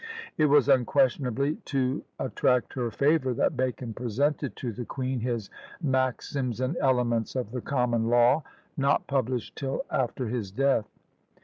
It was unquestionably to attract her favour, that Bacon presented to the queen his "Maxims and Elements of the Common Law," not published till after his death.